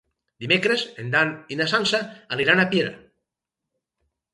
Dimecres en Dan i na Sança aniran a Piera.